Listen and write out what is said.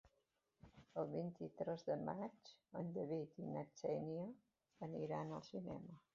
El vint-i-tres de maig en David i na Xènia aniran al cinema.